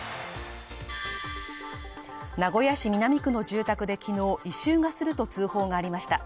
名古屋市南区の住宅で昨日異臭がすると通報がありました。